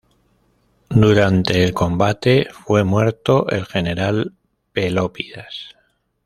Durante el combate fue muerto el general Pelópidas.